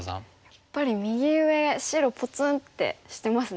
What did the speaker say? やっぱり右上白ぽつんってしてますね。